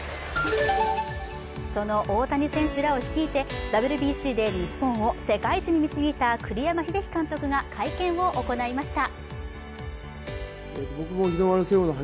その大谷選手らを率いてＷＢＣで日本を世界一に導いた栗山英樹監督が会見を行いました。